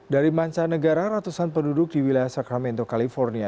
dari manca negara ratusan penduduk di wilayah sacramento california